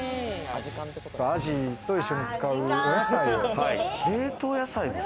アジと一緒に使うお野菜を。